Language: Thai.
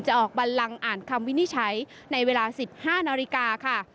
ออกบันลังอ่านคำวินิจฉัยในเวลา๑๕นาฬิกาค่ะ